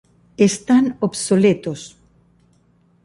Están obsoletos.